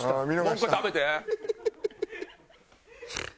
もう１個食べて。